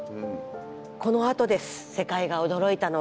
このあとです世界が驚いたのは。